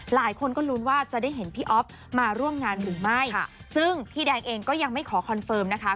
หลายคนก็ลุ้นว่าจะได้เห็นพี่อ๊อฟมาร่วมงานหรือไม่ซึ่งพี่แดงเองก็ยังไม่ขอคอนเฟิร์มนะคะ